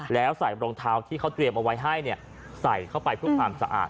แล้วใส่รองเท้าที่เขาเตรียมเอาไว้ให้ใส่เข้าไปเพื่อความสะอาด